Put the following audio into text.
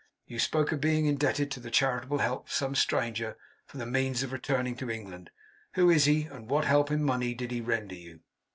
You spoke of being indebted to the charitable help of some stranger for the means of returning to England. Who is he? And what help in money did he render you?